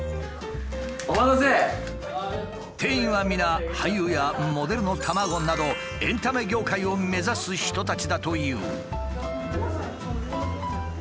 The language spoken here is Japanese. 店員は皆俳優やモデルの卵などエンタメ業界を目指す人たちだという。